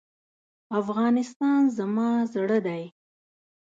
افغانستان زما زړه دی.